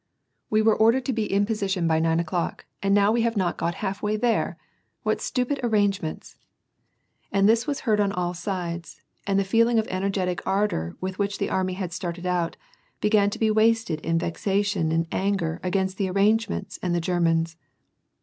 " We were ordered to be in {x>sition by nine o'clock, and now WAR AND PEACE. 831 ve have not got half way there ! What stupid arrangements !" And this was heard on all sides, and the feeling of energetic ardor with which the army had started out, began to be wasted in vexation and anger against the arrangements and the Ger mans.